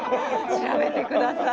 調べてください